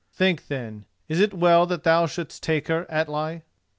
Think, then: is it well that thou shouldst take her, Atli?"